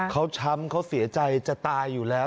เขาช้ำเขาเสียใจจะตายอยู่แล้ว